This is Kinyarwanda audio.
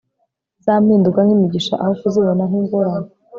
za mpinduka nkimigisha aho kuzibona nkingorane